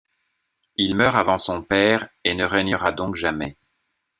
Il meurt avant son père et ne règnera donc jamais.